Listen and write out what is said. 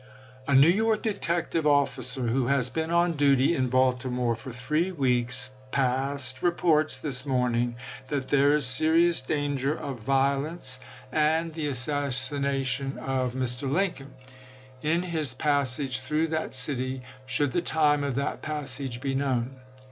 A New York detective officer who has been on duty in Baltimore for three weeks past reports this morning that there is serious danger of violence to, and the assassina 312 ABKAHAM LINCOLN chap. xx. tion of, Mr. Lincoln in his passage through that city, should the time of that passage be known.